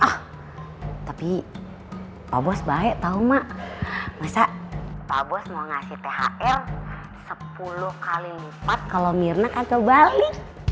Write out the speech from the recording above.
ah tapi obat baik tahu mak masa pak bos mau ngasih phl sepuluh kali lipat kalau mirna atau balik